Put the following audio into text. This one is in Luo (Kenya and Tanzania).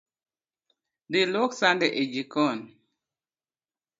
Dhi luok sande e jikon